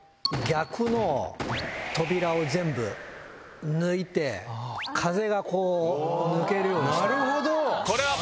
逆の扉を全部抜いて風が抜けるようにした。